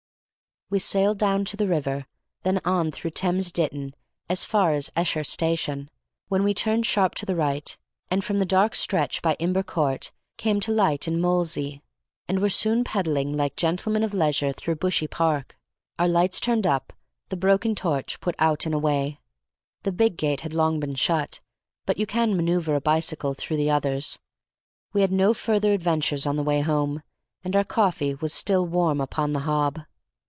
We sailed down to the river, then on through Thames Ditton as far as Esher Station, when we turned sharp to the right, and from the dark stretch by Imber Court came to light in Molesey, and were soon pedalling like gentlemen of leisure through Bushey Park, our lights turned up, the broken torch put out and away. The big gates had long been shut, but you can manoeuvre a bicycle through the others. We had no further adventures on the way home, and our coffee was still warm upon the hob.